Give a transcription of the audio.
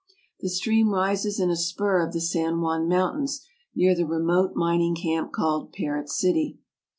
The stream rises in a spur of the San Juan Mountains, near the remote mining camp called Parrott City.